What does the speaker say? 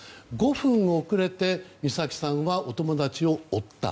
５分遅れて美咲さんはお友達を追った。